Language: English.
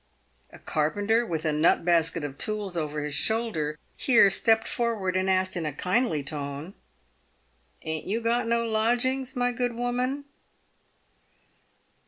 A carpenter, with a. nut basket of tools over his shoulder, here stepped forward, and asked, in a kindly tone, " Ain't you got no lodgings, my good woman